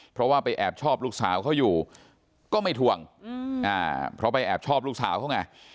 เพราะว่าไปแอบชอบลูกสาวเขาอยู่ก็ไม่ทวงเพราะไปแอบชอบลูกสาวเขาไง